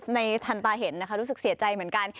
ทันตาเห็นนะคะรู้สึกเสียใจเหมือนกัน